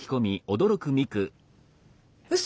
うそ！？